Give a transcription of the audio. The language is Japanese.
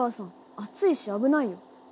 熱いし危ないよ。